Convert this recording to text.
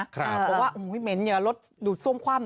บอกว่าเหม็นอย่ารถดูดซ่วมคว่ำ